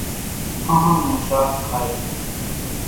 ۿانۿان نون شاک کائيَ سي۔